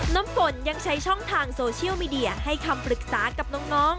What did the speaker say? น้ำฝนยังใช้ช่องทางโซเชียลมีเดียให้คำปรึกษากับน้อง